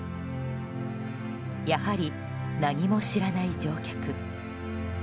やはり、何も知らない乗客。